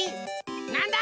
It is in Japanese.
なんだ？